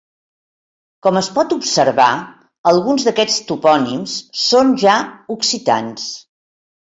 Com es pot observar, alguns d'aquests topònims són ja occitans.